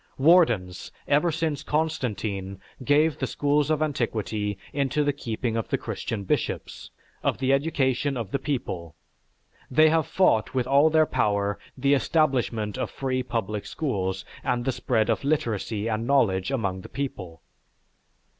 Wardens, ever since Constantine gave the schools of antiquity into the keeping of the Christian bishops, of the education of the people, they have fought with all their power the establishment of free public schools and the spread of literacy and knowledge among the people."